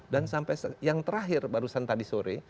dan sampai yang terakhir barusan tadi sore